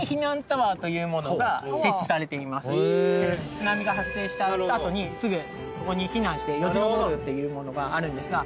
津波が発生したあとにすぐそこに避難してよじ登るっていうものがあるんですが。